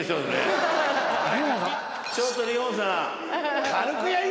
ちょっとリホンさん。